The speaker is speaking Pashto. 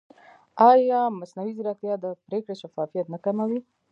ایا مصنوعي ځیرکتیا د پرېکړې شفافیت نه کموي؟